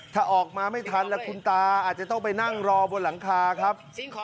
ถ้าออกมาไม่ทันแล้วคุณตาอาจจะต้องไปนั่งรอบนหลังคาครับ